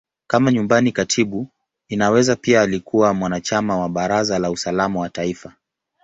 Kama Nyumbani Katibu, Inaweza pia alikuwa mwanachama wa Baraza la Usalama wa Taifa.